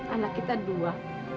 anak kita dua